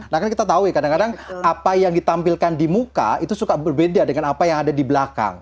nah kan kita tahu ya kadang kadang apa yang ditampilkan di muka itu suka berbeda dengan apa yang ada di belakang